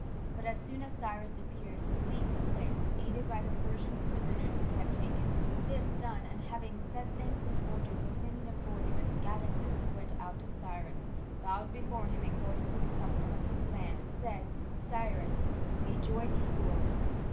But as soon as Cyrus appeared he seized the place, aided by the Persian prisoners he had taken. This done, and having set things in order within the fortress, Gadatas went out to Cyrus, bowed before him according to the custom of his land, and said, "Cyrus, may joy be yours!"